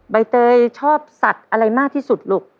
ใบเตยชอบสัตว์อะไรมากที่สุดลูก